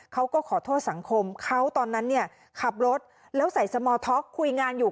เขาก็ขอโทษสังคมเขาตอนนั้นเนี่ยขับรถแล้วใส่สมอร์ท็อกคุยงานอยู่